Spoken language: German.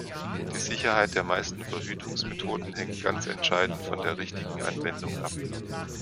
Die Sicherheit der meisten Verhütungsmethoden hängt ganz entscheidend von der richtigen Anwendung ab.